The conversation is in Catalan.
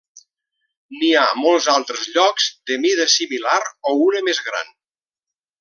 N'hi ha molts altres llocs de mida similar o una més gran.